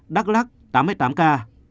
đắk lắc tám mươi tám ca